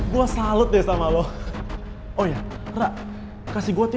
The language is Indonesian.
gue salut deh sama lo